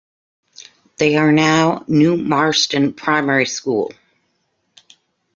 They are now New Marston Primary School.